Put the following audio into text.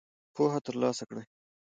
پوهه تر لاسه کړئ